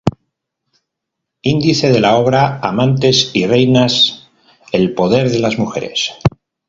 Índice de la obra "Amantes y reinas el poder de las mujeres".